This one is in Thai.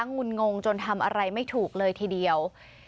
ุนงงจนทำอะไรไม่ถูกเลยทีเดียว